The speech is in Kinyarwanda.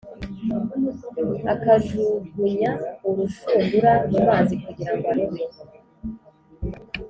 akajugunya urushundura mu mazi kugira ngo arobe